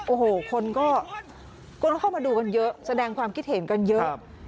โอ้โหคนก็คนเข้ามาดูกันเยอะแสดงความคิดเห็นกันเยอะ